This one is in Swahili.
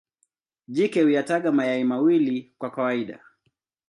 Jike huyataga mayai mawili kwa kawaida.